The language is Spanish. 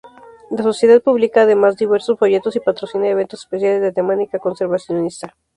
La sociedad publica además diversos folletos y patrocina eventos especiales de temática conservacionista.